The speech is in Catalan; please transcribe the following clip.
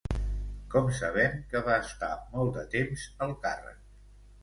Com sabem que va estar molt de temps al càrrec?